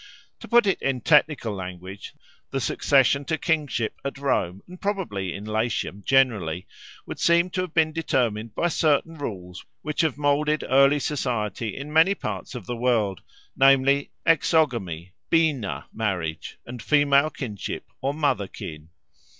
To put it in technical language, the succession to the kingship at Rome and probably in Latium generally would seem to have been determined by certain rules which have moulded early society in many parts of the world, namely exogamy, beena marriage, and female kinship or mother kin.